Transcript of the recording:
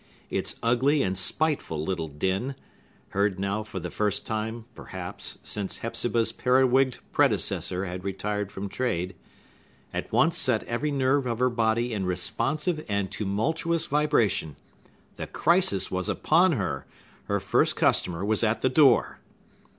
Its ugly and spiteful little din (heard now for the first time, perhaps, since Hepzibah's periwigged predecessor had retired from trade) at once set every nerve of her body in responsive and tumultuous vibration. The crisis was upon her! Her first customer was at the door!